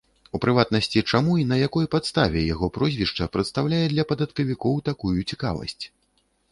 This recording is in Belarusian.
У прыватнасці, чаму і на якой падставе яго прозвішча прадстаўляе для падаткавікоў такую цікавасць.